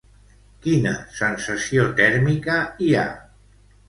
Quina sensació tèrmica hi ha?